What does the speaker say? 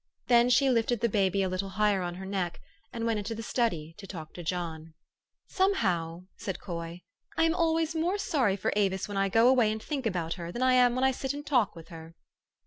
Then she lifted the baby a little higher on her neck, and went into the study to talk to John. 456 THE STORY OF AVIS. " Somehow," said Coy, " I am always more sorry for Avis when I go away and think about her than I am when I sit and talk with her."